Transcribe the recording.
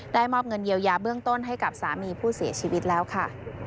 มอบเงินเยียวยาเบื้องต้นให้กับสามีผู้เสียชีวิตแล้วค่ะ